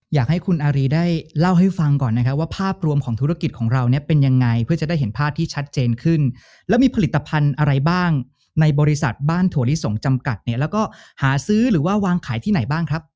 อยากให้คุณอารีได้เล่าให้ฟังก่อนนะครับว่าภาพรวมของธุรกิจของเราเนี่ยเป็นยังไงเพื่อจะได้เห็นภาพที่ชัดเจนขึ้นแล้วมีผลิตภัณฑ์อะไรบ้างในบริษัทบ้านถั่วลิสงจำกัดเนี่ยแล้วก็หาซื้อหรือว่าวางขายที่ไหนบ้างครับ